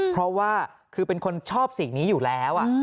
เพราะว่าคือเป็นคนชอบสิ่งนี้อยู่แล้ว